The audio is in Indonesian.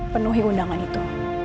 penuhi undangan itu